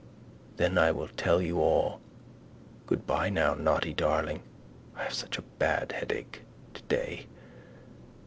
Then I will tell you all. Goodbye now, naughty darling, I have such a bad headache. today.